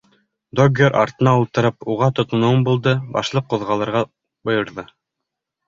Доггер артына ултырып, уға тотоноуым булды, башлыҡ ҡуҙғалырға бойорҙо.